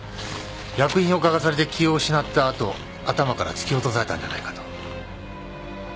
薬品を嗅がされて気を失った後頭から突き落とされたんじゃないかと。